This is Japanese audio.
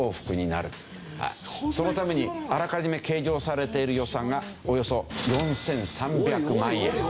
そのためにあらかじめ計上されている予算がおよそ４３００万円。